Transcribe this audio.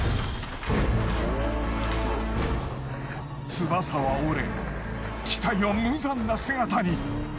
翼は折れ機体は無残な姿に。